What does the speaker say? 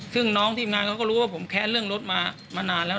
ซึ่งน้องทีมงานเขาก็รู้ว่าผมแค้นเรื่องรถมามานานแล้ว